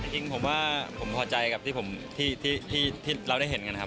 จริงผมว่าผมตื่นตัวตรงที่เราได้เห็นกันครับ